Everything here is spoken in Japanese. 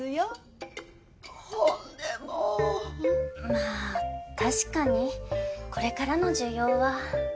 まあ確かにこれからの需要は。